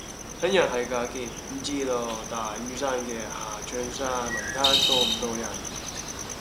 聽日係假期，唔知道大嶼山嘅下長沙泳灘多唔多人？